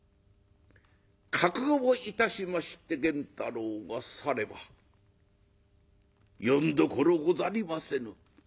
覚悟をいたしまして源太郎は「さればよんどころござりませぬ」。